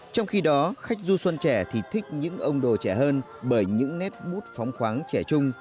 trong khi đó khách du xuân trẻ thì thích những ông đồ trẻ hơn bởi những nét bút phóng khoáng trẻ trung